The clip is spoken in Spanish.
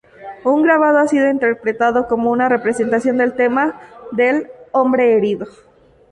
Un grabado ha sido interpretado como una representación del tema del "hombre herido".